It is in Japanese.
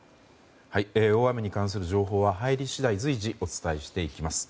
大雨に関する情報は入り次第随時お伝えしていきます。